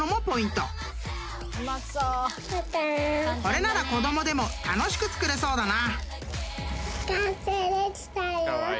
［これなら子供でも楽しく作れそうだな］